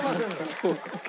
そうですか。